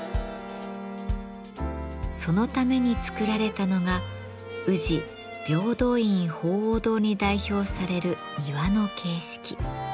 そのために作られたのが宇治平等院鳳凰堂に代表される庭の形式。